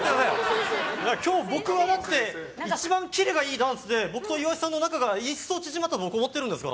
今日僕は一番切れがいいダンスで僕と岩井さんの仲が一層縮まったと思ってるんですが。